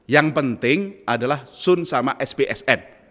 yang penting adalah sun sama spsn